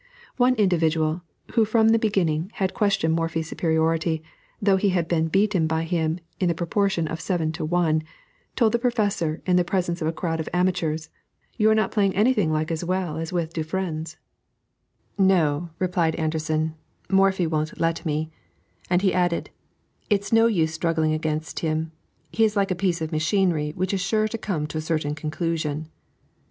One individual, who from the beginning, had questioned Morphy's superiority, though he had been beaten by him in the proportion of 7 to 1 told the Professor in the presence of a crowd of amateurs: "You are not playing any thing like as well as with Dufresne." "No," replied Anderssen, "Morphy won't let me;" and he added, "It is no use struggling against him; he is like a piece of machinery which is sure to come to a certain conclusion."